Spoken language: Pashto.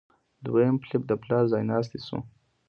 دویم فلیپ د پلار ځایناستی شو.